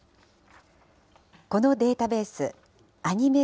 このデータベース、アニメ